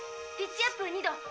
ピッチアップ２度。